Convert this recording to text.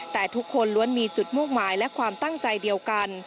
แต่ทุกคนล้วนมีจุดมุ่งหมายและความตั้งใจเดียวกัน